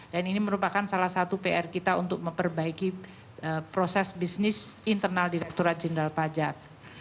dan ini merupakan salah satu pr kita untuk memperbaiki proses bisnis internal direkturat jenderal pajak